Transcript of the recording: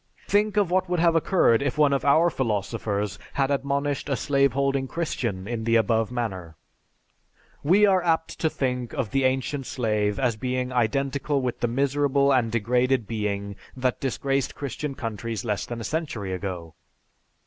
Think of what would have occurred if one of our philosophers had admonished a slave holding Christian in the above manner. "We are apt to think of the ancient slave as being identical with the miserable and degraded being that disgraced Christian countries less than a century ago.